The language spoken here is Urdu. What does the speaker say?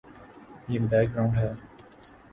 یہ بیک گراؤنڈ ہے۔